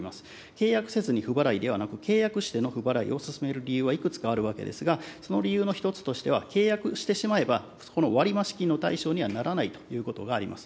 契約せずに不払いではなく、契約しての不払いを勧める理由はいくつかあるわけですが、その理由の一つとしては、契約してしまえば、そこの割増金の対象にはならないということがあります。